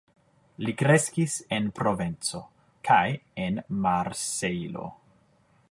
Li kreskis en Provenco kaj en Marsejlo.